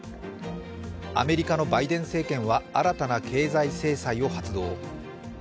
アメリカのバイデン政権は新たな経済制裁を発動。